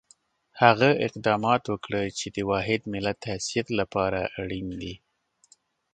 هغه اقدامات وکړو چې د واحد ملت حیثیت لپاره اړین دي.